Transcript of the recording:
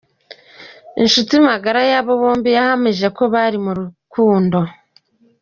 Inshuti magara y’aba bombi yahamije ko bari mu rukundo.